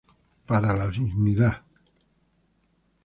Para la dignidad.